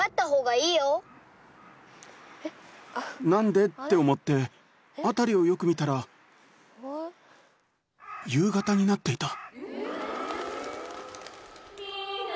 「何で？って思って辺りをよく見たら夕方になっていた」